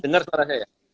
dengar suara saya